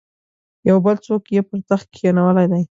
یو بل څوک یې پر تخت کښېنولی دی.